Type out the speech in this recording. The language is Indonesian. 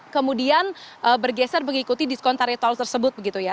kemudian bergeser mengikuti diskon tarif tol tersebut begitu ya